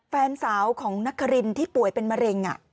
แฟนสาวของนครินที่ป่วยเป็นมะเร็ง